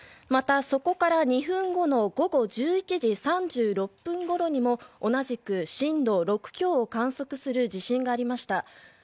また、そこから２分後の午後１１時３６分ごろにも同じく震度６強を観測する地震がありました。